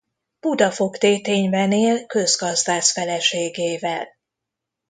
Budafok-Tétényben él közgazdász feleségével.